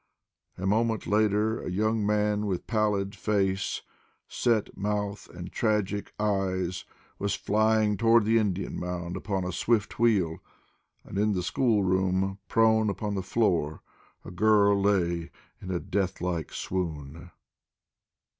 A moment later a young man with pallid face, set mouth and tragic eyes was flying toward the Indian Mound upon a swift wheel, and in the school room, prone upon the floor, a girl lay in a death like swoon.